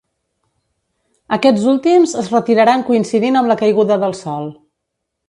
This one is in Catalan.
Aquests últims es retiraran coincidint amb la caiguda del sol.